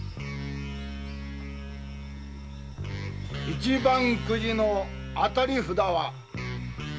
一番くじの当たり札は。